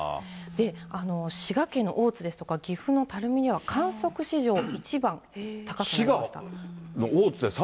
で、滋賀県大津ですとか、岐阜の樽見では観測史上１番、高くなりました。